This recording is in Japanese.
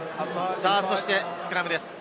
そしてスクラムです。